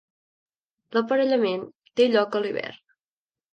L'aparellament té lloc a l'hivern.